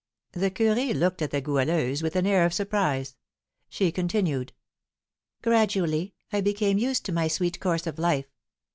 The curé looked at the Goualeuse with an air of surprise. She continued: "Gradually I became used to my sweet course of life.